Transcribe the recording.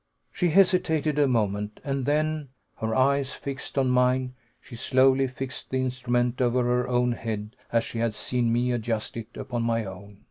She hesitated a moment, and then, her eyes fixed on mine, she slowly fixed the instrument over her own head as she had seen me adjust it upon my own.